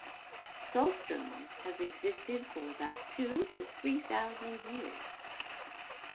Saltstraumen has existed for about two to three thousand years.